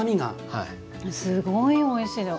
すごいおいしいのよ。